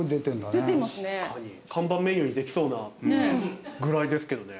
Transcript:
看板メニューにできそうなぐらいですけどね。